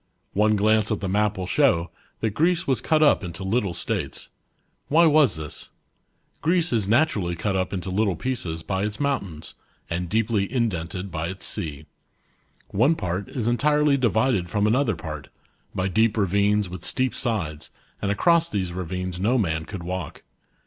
One glance at the map will show, that Greece was ABOU* GBEEC^!. 69 cut up into little States. "W hy was this ? Greece is Naturally cut up into little pieces by its moun tains, and deeply indented by its sea. One part is entirely divided from another part, by deep ravines with steep sides, and across these ravines no man could walk.